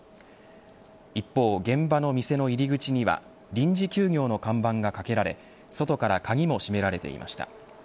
一方、現場の店の入り口には臨時休業の看板が掛けられ外から鍵も閉められていました。